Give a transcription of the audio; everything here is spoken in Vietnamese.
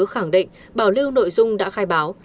khẳng định bảo lưu nội dung đã khai báo